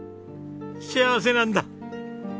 幸せなんだ！